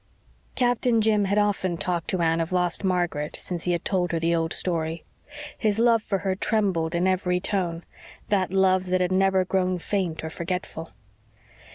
Captain Jim had often talked to Anne of lost Margaret since he had told her the old story. His love for her trembled in every tone that love that had never grown faint or forgetful.